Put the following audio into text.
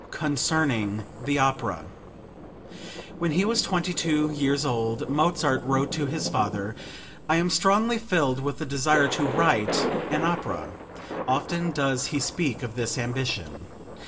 CONCERNING THE OPERA When he was twenty two years old Mozart wrote to his father, "I am strongly filled with the desire to write an opera." Often does he speak of this ambition.